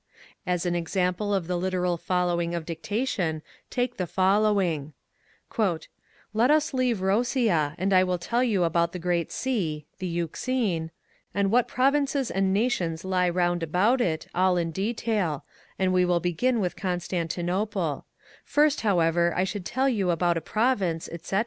As an example of the literal following of dictation take the following :—" Let us leave Rosia, and I will tell you about the Great Sea (the Euxine), and what provinces and nations lie round about it, all in detail ; and we will begin with Constantinople First, however, I should tell you about a province, etc. .